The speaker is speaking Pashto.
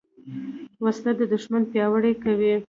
وسله د دوښمن پیاوړي کوي